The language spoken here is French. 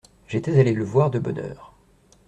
J’étais allé le voir de bonne heure.